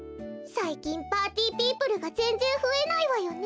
さいきんパーティーピープルがぜんぜんふえないわよね。